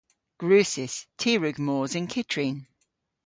Gwrussys. Ty a wrug mos yn kyttrin.